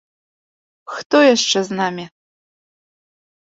Хто яшчэ з намі?